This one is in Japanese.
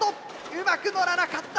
うまくのらなかった。